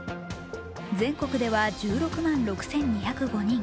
全国では１６万６２０５人。